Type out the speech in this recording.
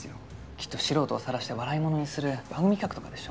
きっと素人をさらして笑い者にする番組企画とかでしょ。